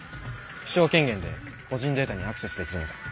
首長権限で個人データにアクセスできるので。